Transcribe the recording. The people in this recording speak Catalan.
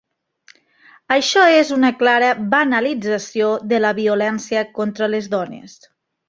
Això és una clara banalització de la violència contra les dones.